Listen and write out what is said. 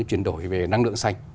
chuyển đổi về năng lượng xanh